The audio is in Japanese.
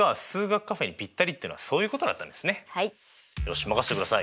よし任せてください。